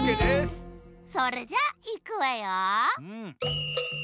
それじゃいくわよ。